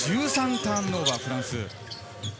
ターンオーバー、フランス。